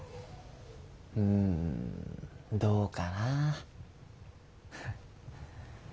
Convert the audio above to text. うんどうかな。